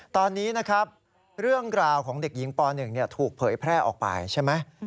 ตอนนี้นะครับเรื่องราวของเด็กหญิงป๑ถูกเผยแพร่ออกไปใช่ไหม